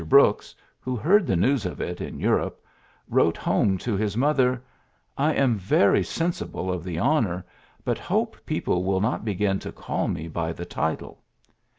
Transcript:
Brooks who heard the news of it in Europe wrote home to his mother, "I am very sensible of the honor, but hope people will not begin to call me by the title."